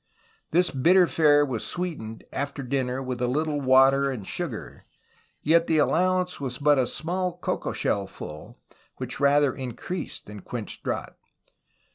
This bitter fare was sweetened after dinner with a little water and sugar; yet the allowance was but a small cocoa shell full, which rather in creased than quenched drought.